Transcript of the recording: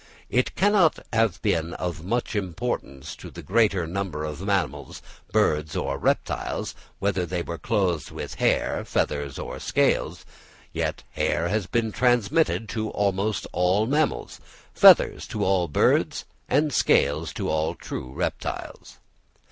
It cannot have been of much importance to the greater number of mammals, birds, or reptiles, whether they were clothed with hair, feathers or scales; yet hair has been transmitted to almost all mammals, feathers to all birds, and scales to all true reptiles.